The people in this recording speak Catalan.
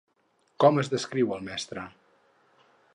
Com es descriu al mestre?